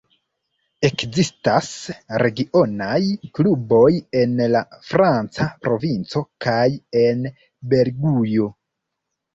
Ekzistas regionaj kluboj en la franca provinco kaj en Belgujo.